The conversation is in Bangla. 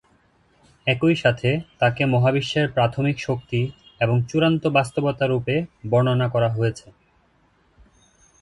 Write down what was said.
একই সাথে তাঁকে মহাবিশ্বের প্রাথমিক শক্তি এবং চূড়ান্ত বাস্তবতা রূপে বর্ণনা করা হয়েছে।